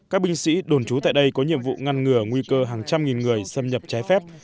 các binh sĩ đồn trú tại đây có nhiệm vụ ngăn ngừa nguy cơ hàng trăm nghìn người xâm nhập trái phép